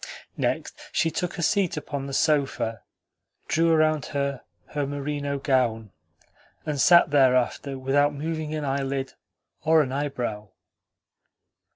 Next, she took a seat upon the sofa, drew around her her merino gown, and sat thereafter without moving an eyelid or an eyebrow.